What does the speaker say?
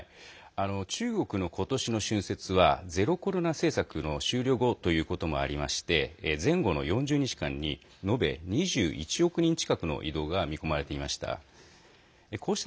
中国の今年の春節はゼロコロナ政策の終了後ということもありまして前後の４０日間に述べ２１億人近くの移動が見込まれていました。